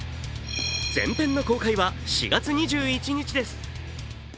前編の公開は４月２１日です。